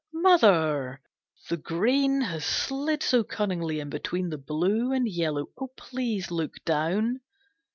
"Mother, the green Has slid so cunningly in between The blue and the yellow. Oh, please look down!"